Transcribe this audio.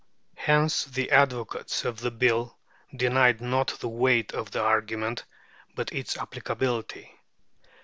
Hence the advocates of the Bill denied not the weight of the argument, but its applicability.